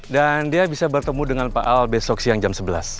dan dia bisa bertemu dengan pak al besok siang jam sebelas